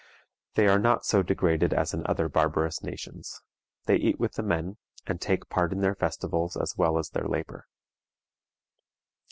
They are not so degraded as in other barbarous nations. They eat with the men, and take part in their festivals as well as their labor.